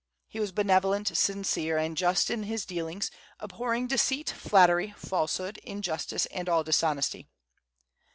He was benevolent, sincere, and just in his dealings, abhorring deceit, flattery, falsehood, injustice, and all dishonesty.